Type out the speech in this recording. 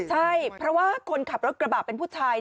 ใช่เพราะว่าคนขับรถกระบะเป็นผู้ชาย